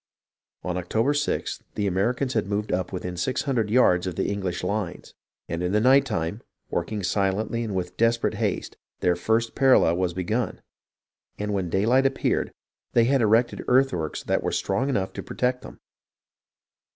On October 6th, the Americans had moved up within six hundred yards of the English lines, and in the night time, working silently and with desperate haste, their first par allel was begun, and when daylight appeared they had erected earthworks that were strong enough to protect them.